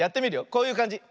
こういうかんじ。